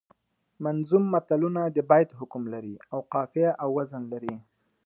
منظوم متلونه د بیت حکم لري او قافیه او وزن لري